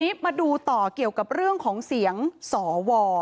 ทีนี้มาดูต่อเกี่ยวกับเรื่องของเสียงสว